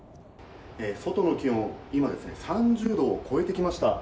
外の気温、今３０度を超えてきました。